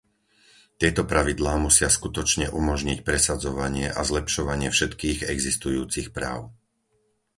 Tieto pravidlá musia skutočne umožniť presadzovanie a zlepšovanie všetkých existujúcich práv.